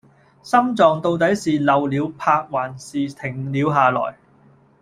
心臟到底是漏了拍還是停了下來